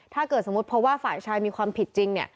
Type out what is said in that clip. ถ้าเกิดสมมุติเพราะว่าฝ่ายชายมีความผิดจริงเนี่ย